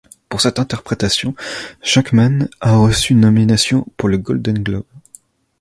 Pour cette interprétation, Shenkman a reçu une nomination pour le Golden Globe.